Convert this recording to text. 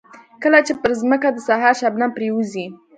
کله چې پر ځمکه د سهار شبنم پرېوځي.